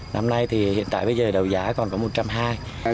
năm nay thì hiện tại bây giờ đầu giá còn có một trăm hai mươi đồng